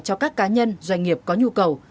cho các cá nhân doanh nghiệp có nhu cầu